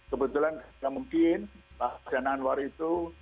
kebetulan tidak mungkin pak rosian anwar itu